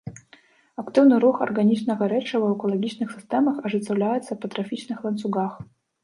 Актыўны рух арганічнага рэчыва ў экалагічных сістэмах ажыццяўляецца па трафічных ланцугах.